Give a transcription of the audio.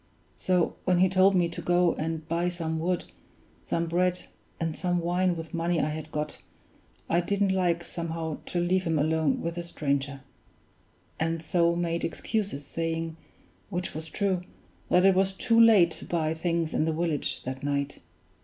So when he told me to go and buy some wood, some bread, and some wine with money I had got, I didn't like, somehow, to leave him alone with the stranger; and so made excuses, saying (which was true) that it was too late to buy things in the village that night.